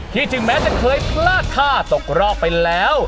ถึงแม้จะเคยพลาดท่าตกรอบไปแล้ว